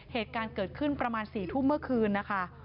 เหตุการณ์เกิดขึ้นประมาณ๔ทุ่มเมื่อคืนนะคะ